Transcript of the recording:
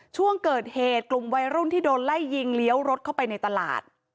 ช่วงเกิดเหตุกลุ่มวัยรุ่นที่โดนไล่ยิงเลี้ยวรถเข้าไปในตลาด